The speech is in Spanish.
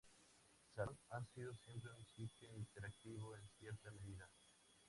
Salón ha sido siempre un sitio interactivo en cierta medida.